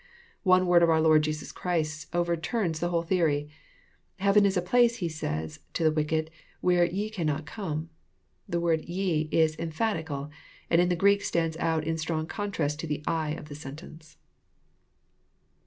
One word of our Lord Jesus Christ's overturns the whole theory. — Heaven is a place, He says to the wicked, where ye cannot come." The word ^^ye" is emphatical, and in the Greek stands out in strong contrast to the *' I " of the sentence.